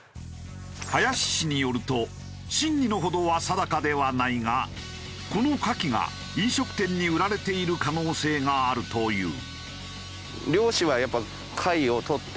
林氏によると真偽のほどは定かではないがこのカキが飲食店に売られている可能性があるという。